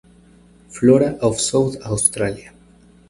Flora of South Australia.